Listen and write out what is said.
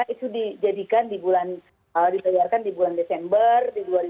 itu dijadikan di bulan desember di dua ribu dua puluh